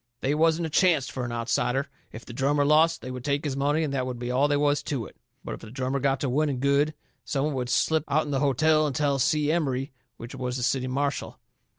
They wasn't a chancet fur an outsider. If the drummer lost, they would take his money and that would be all they was to it. But if the drummer got to winning good, some one would slip out'n the hotel and tell Si Emery, which was the city marshal.